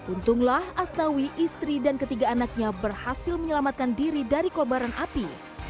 untunglah astawi istri dan ketiga anaknya berhasil menyelamatkan diri dari kobaran api